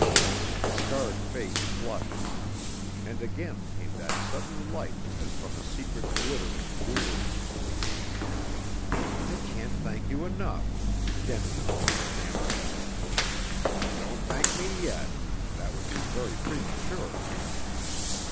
The scarred face flushed; and again came that sudden light as from a secret glitter of jewels. "I can't thank you enough!" Denin almost stammered. "Don't thank me yet. That would be very premature!"